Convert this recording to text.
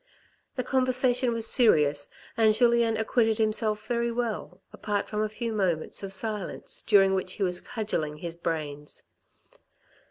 The conversation was serious, and Julien acquitted himself very well, apart from a few moments of silence during which he was cudgelling his brains.